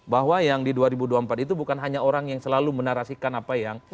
bahwa yang di dua ribu dua puluh empat itu bukan hanya orang yang selalu menarasikan apa yang